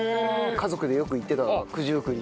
家族でよく行ってたな九十九里。